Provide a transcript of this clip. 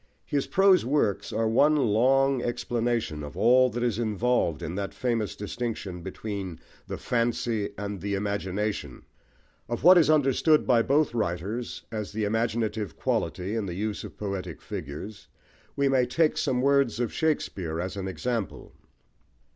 His prose works are one long explanation of all that is involved in that famous distinction between the Fancy and the Imagination. Of what is understood by both writers as the imaginative quality in the use of poetic figures, we may take some words of Shakespeare as an example.